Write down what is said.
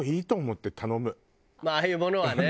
まあああいうものはね。